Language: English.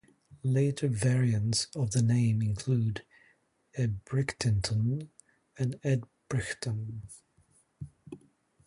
Later variants of the name include "Ebrictinton" and "Edbrichton".